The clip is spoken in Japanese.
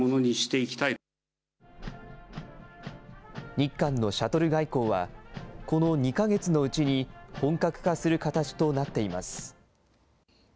日韓のシャトル外交は、この２か月のうちに本格化する形となっています。